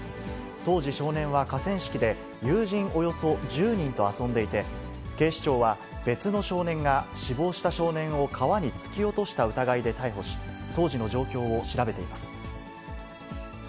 当時、少年は河川敷で友人およそ１０人と遊んでいて、警視庁は別の少年が死亡した少年を川に突き落とした疑いで逮捕し、当時の状況を調べています。